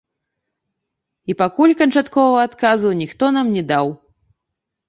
І пакуль канчатковага адказу ніхто нам не даў.